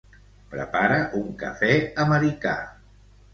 Prepara un cafè americà.